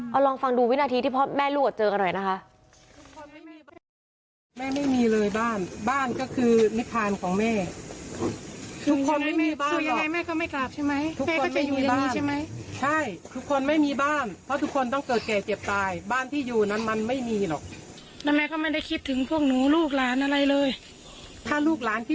เอาลองฟังดูวินาทีที่พ่อแม่ลูกเจอกันหน่อยนะคะ